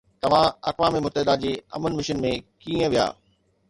توهان اقوام متحده جي امن مشن ۾ ڪيئن ويا؟